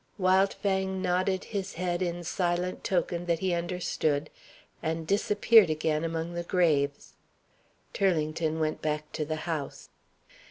Wildfang nodded his head in silent token that he understood, and disappeared again among the graves. Turlington went back to the house.